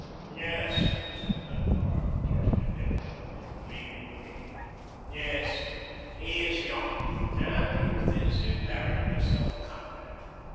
"Yes," said Danglars, darting at Edmond a look gleaming with hate. "Yes, he is young, and youth is invariably self confident.